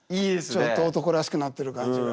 ちょっと男らしくなってる感じが。